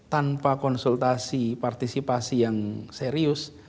tanpa konsultasi partisipasi yang serius